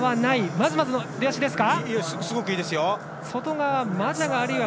まずまずの出足ですか。